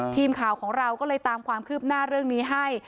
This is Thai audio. ทีมข่าวของเราก็เลยตามความคืบหน้าเรื่องนี้ให้